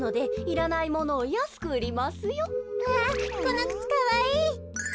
わこのくつかわいい。